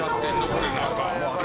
これ中。